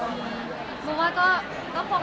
ดูแมวน้ำสุกามินให้อะไรแบบนี้